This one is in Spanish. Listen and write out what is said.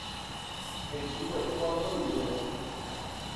El pico es corto y grueso.